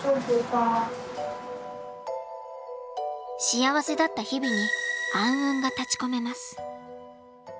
幸せだった日々に暗雲が立ちこめます。